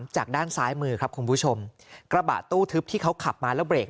จากด้านซ้ายมือครับคุณผู้ชมกระบะตู้ทึบที่เขาขับมาแล้วเรก